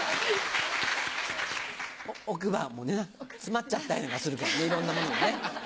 奥歯もね詰まっちゃったりなんかするけどねいろんなものがね。